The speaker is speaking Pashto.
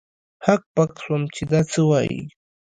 هک پک سوم چې دا څه وايي.